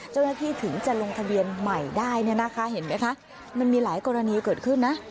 เจ้าหน้าที่ถึงจะลงทะเบียนใหม่ได้เนี่ยนะคะเห็นไหมคะมันมีหลายกรณีเกิดขึ้นนะ